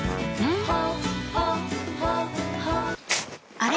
あれ？